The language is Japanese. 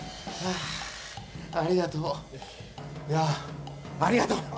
ありがとう。